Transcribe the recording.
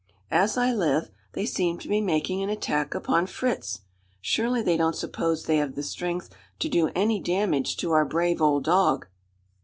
As I live, they seem to be making an attack upon Fritz! Surely they don't suppose they have the strength to do any damage to our brave old dog?"